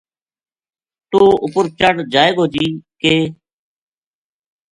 توہ اپر چڑھ جائے گو جی ک